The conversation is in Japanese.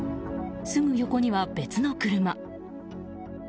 すぐ横には別の車。